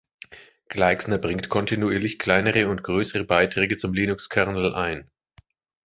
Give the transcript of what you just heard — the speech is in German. Gleixner bringt kontinuierlich kleinere und größere Beiträge zum Linux-Kernel ein.